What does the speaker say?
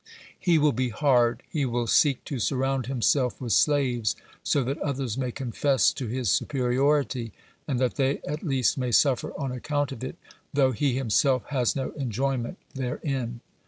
He will be hard, he will seek to surround himself with slaves, so that others may confess to his superiority, and that they at least may suffer on account of it though he himself has no enjoyment therein.